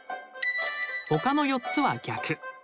他の４つは逆。